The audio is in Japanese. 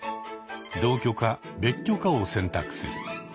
同居か別居かを選択する。